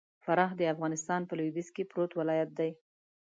فراه د افغانستان په لوېديځ کي پروت ولايت دئ.